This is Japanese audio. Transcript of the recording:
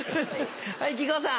はい木久扇さん。